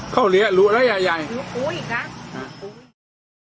เขาเรียกหลัวแล้วยายยายหูยจ้ะอ่า